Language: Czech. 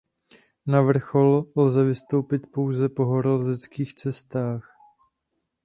Na vrchol lze vystoupit pouze po horolezeckých cestách.